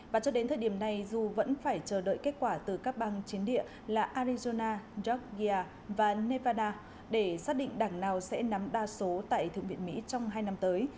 và cho đến thời điểm này dù vẫn phải chờ đợi kết quả từ các bang chiến địa là arizona georgia và nevada để xác định đảng nào sẽ nắm đa số tại thượng viện mỹ trong hai năm tới